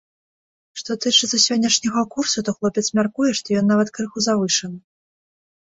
Што тычыцца сённяшняга курсу, то хлопец мяркуе, што ён нават крыху завышаны.